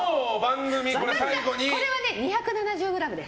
これはね２７０ｇです。